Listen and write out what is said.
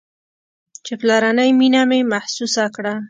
چې پلرنۍ مينه مې محسوسه کړه.